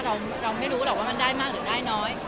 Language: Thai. เราไม่รู้หรอกว่ามันได้มากหรือได้น้อย